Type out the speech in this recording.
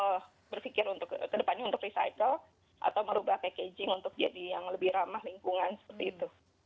jadi kita berpikir untuk ke depannya untuk recycle atau merubah packaging untuk jadi yang lebih ramah lingkungan seperti itu